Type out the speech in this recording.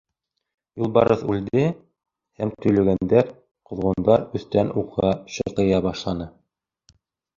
Юлбарыҫ үлде, һәм төйлөгәндәр, ҡоҙғондар өҫтән уға шыҡыя башланы.